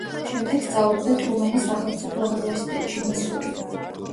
შემდეგ სწავლობდა ტრუმენის სახელმწიფო უნივერსიტეტში, მისური.